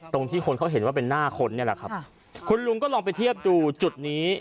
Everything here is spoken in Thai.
ที่คนเขาเห็นว่าเป็นหน้าคนนี่แหละครับคุณลุงก็ลองไปเทียบดูจุดนี้